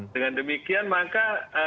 dengan demikian maka